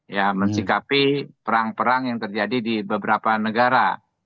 ya mensikapi perang perang yang terjadi di beberapa negara